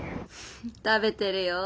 食べてるよ。